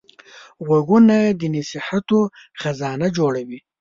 غوږونه د نصیحتو خزانه جوړوي